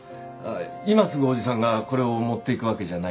今すぐおじさんがこれを持っていくわけじゃないから。